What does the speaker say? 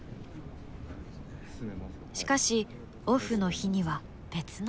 しかしオフの日には別の顔が。